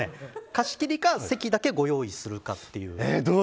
貸し切りか席だけご用意するかという。